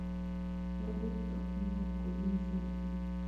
• د انګورو تاکونه کلونه ژوند کوي.